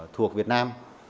thuộc việt nam